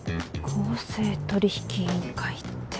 公正取引委員会って。